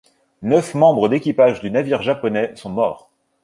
Neuf membres d’équipage du navire japonais sont morts.